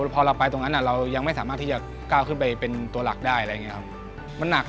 พอเราไปตรงนั้นเรายังไม่สามารถที่จะก้าวขึ้นไปเป็นตัวหลักได้อะไรอย่างนี้ครับ